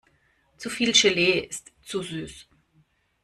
Zu viel Gelee ist zu süß.